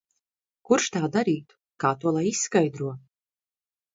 Kurš tā darītu? Kā to lai izskaidro?